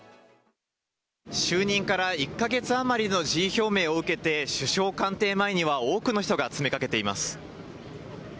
就任から１か月余りの辞意表明を受けて首相官邸前には多くの人が詰めかけています。